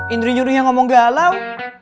indri nyuruh yang ngomong galau